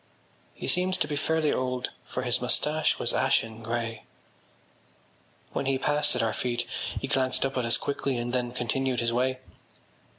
He seemed to be fairly old for his moustache was ashen grey. When he passed at our feet he glanced up at us quickly and then continued his way.